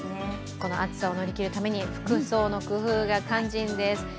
この暑さを乗り切るために服装の工夫が肝心です。